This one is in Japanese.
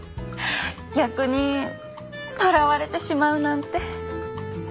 逆に捕らわれてしまうなんて。